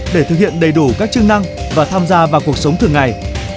để thực hiện đầy đủ các chức năng và tham gia vào cuộc sống thường ngày